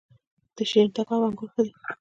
د شیرین تګاب انګور ښه دي